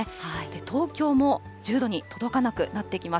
東京も１０度に届かなくなってきます。